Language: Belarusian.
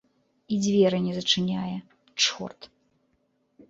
І дзверы не зачыняе, чорт.